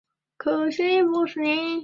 同母弟蜀王李愔。